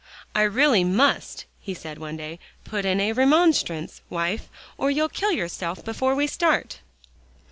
"I really must," he said one day, "put in a remonstrance, wife, or you'll kill yourself before we start."